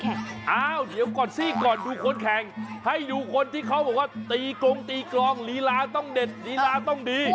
อ้าวเดี๋ยวก่อนสิก่อนดูคนแข่งให้ดูคนที่เขาบอกว่าตีกงตีกรองลีลาต้องเด็ดลีลาต้องดี